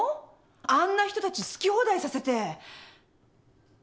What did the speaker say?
あんな人たち好き放題させて。